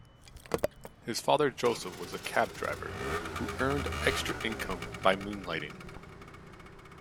His father Joseph was a cab driver, who earned extra income by moonlighting.